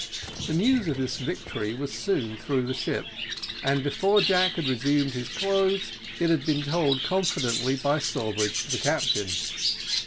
The news of this victory was soon through the ship; and before Jack had resumed his clothes, it had been told confidentially by Sawbridge to the captain.